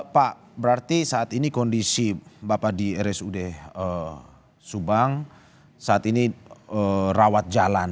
pak berarti saat ini kondisi bapak di rsud subang saat ini rawat jalan